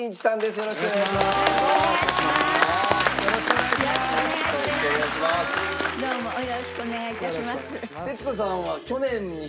よろしくお願いします。